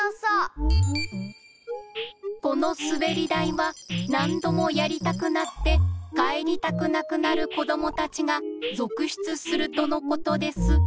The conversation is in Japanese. このすべりだいはなんどもやりたくなってかえりたくなくなるこどもたちがぞくしゅつするとのことです